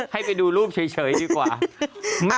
ให้ไปดูรูปเฉยดีกว่า